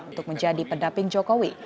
untuk menjadi pendamping jokowi